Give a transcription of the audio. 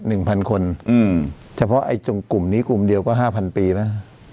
หนึ่งพันคนอืมเฉพาะไอ้จงกลุ่มนี้กลุ่มเดียวก็ห้าพันปีแล้ว